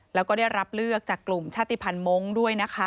แล้วก็ได้รับเลือกจากกลุ่มชาติภัณฑ์มงค์ด้วยนะคะ